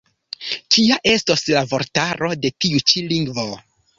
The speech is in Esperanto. Kia estos la vortaro de tiu ĉi lingvo?